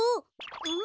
うん？